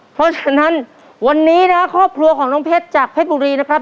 เพราะฉะนั้นวันนี้นะครับครอบครัวของน้องเพชรจากเพชรบุรีนะครับ